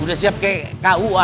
udah siap kayak kua